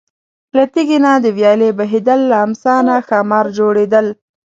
له تیږې نه د ویالې بهیدل، له امسا نه ښامار جوړېدل.